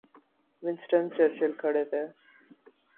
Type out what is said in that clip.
Winston Churchill کھڑے تھے۔